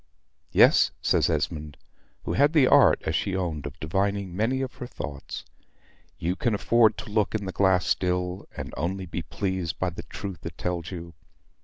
"Yes," says Esmond, who had the art, as she owned, of divining many of her thoughts. "You can afford to look in the glass still; and only be pleased by the truth it tells you.